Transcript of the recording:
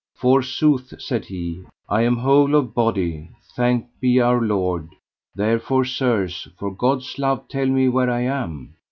Forsooth, said he, I am whole of body, thanked be Our Lord; therefore, sirs, for God's love tell me where I am.